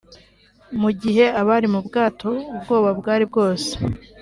Mu gihe abari mu bwato ubwoba bwari bwose